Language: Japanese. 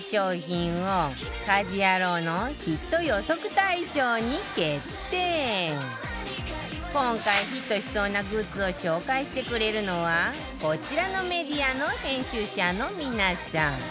最終的に今回ヒットしそうなグッズを紹介してくれるのはこちらのメディアの編集者の皆さん